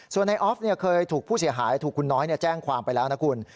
ส่วนในออฟเคยถูกผู้เสียหายถูกคุณน้อยแจ้งความไปแล้วนะคุณ